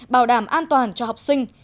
bảo đảm an toàn cho học sinh